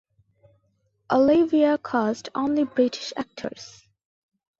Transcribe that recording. Olivier cast only British actors.